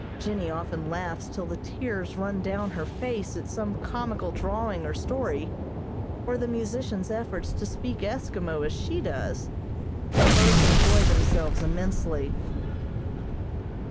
Jennie often laughs till the tears run down her face at some comical drawing or story, or the musician's efforts to speak Eskimo as she does, and both enjoy themselves immensely.